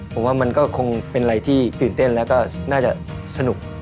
ผมว่ามันก็คงเป็นอะไรที่ตื่นเต้นแล้วก็น่าจะสนุก